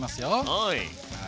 はい。